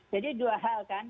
jadi dua hal kan